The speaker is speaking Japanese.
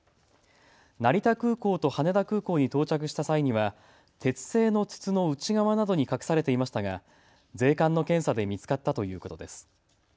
成田空港と羽田空港に到着した際には鉄製の筒の内側などに隠されていましたが税関の検査で見つかったということです。